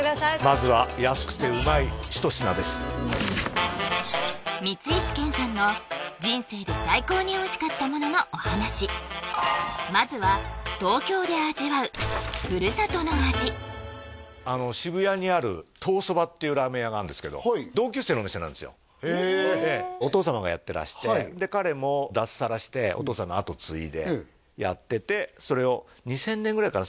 まずは安くてうまい一品です光石研さんの人生で最高においしかったもののお話まずはっていうラーメン屋があるんですけどへえええお父様がやってらしてで彼も脱サラしてお父さんのあとを継いでやっててそれを２０００年ぐらいかな？